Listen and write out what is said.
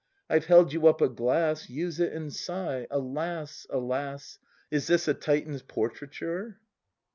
I've held you up a glass; Use it and sigh: "Alas, alas. Is this a Titan's portraiture?"